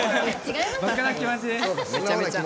僕の気持ちです。